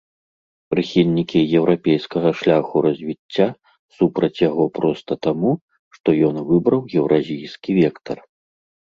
Прыхільнікі еўрапейскага шляху развіцця супраць яго проста таму, што ён выбраў еўразійскі вектар.